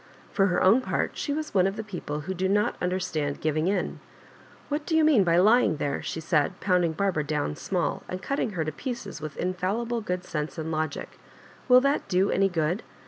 For her own part she was one of the people who do not understand giving in. " What do you mean by lying there ?" she said, pounding Barbara down small and cutting her to pieces with in&llible good sense and logic; will that do any good